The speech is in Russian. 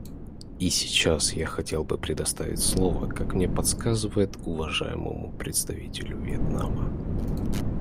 И сейчас я хотел бы предоставить слово, как мне подсказывают, уважаемому представителю Вьетнама.